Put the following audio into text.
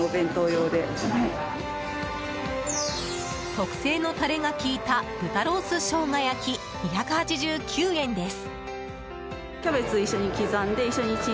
特製のタレが利いた豚ロース生姜焼、２８９円です。